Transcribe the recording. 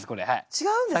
違うんですか？